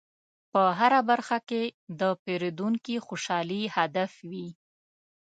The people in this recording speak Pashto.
په هره برخه کې د پیرودونکي خوشحالي هدف وي.